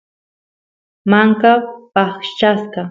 manka paqchasqa